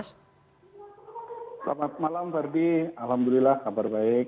selamat malam ferdi alhamdulillah kabar baik